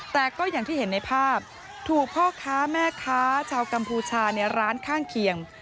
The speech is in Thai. แต่ก็อย่างที่เห็นในภาพถูกพ่อค้าแม่ค้าชาวกัมพูชาในร้านข้างเคียง